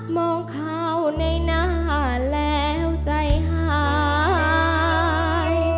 มองข้าวในหน้าแล้วใจหาย